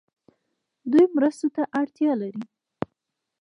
دوی مرستو ته اړتیا لري.